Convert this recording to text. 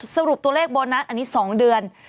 สรุปตัวเลขโบนัสอันนี้๒เดือน